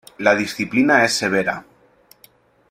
La disciplina es severa.